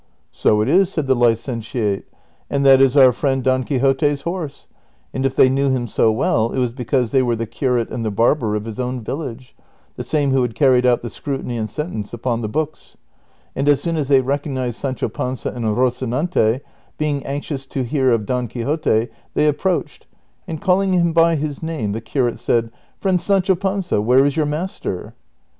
" So it is," said the licentiate, " and that is our friend Don Quixote's horse ;" and if they knew him so well it was be cause they were the curate and the barber of his own village, the same who had carried out the scrutiny and sentence upon the books ; and as soon as they recognized Sancho Panza and Rocinante, being anxious to hear of Don Quixote, they ap proached, and calling him by his name the curate said, '* Friend Sancho Panza, where is your nuister